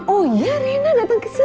oh iya rena datang kesini